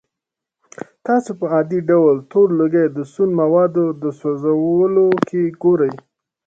تاسې په عادي ډول تور لوګی د سون موادو د سوځولو کې ګورئ.